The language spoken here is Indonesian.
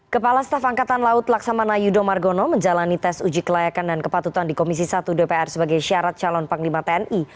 kepala staf angkatan laut laksamana yudho margono menjalani tes uji kelayakan dan kepatutan di komisi satu dpr sebagai syarat calon panglima tni